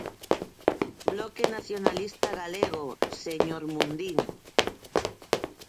Bloque Nacionalista Galego, señor Mundín.